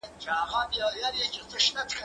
زه هره ورځ درسونه اورم،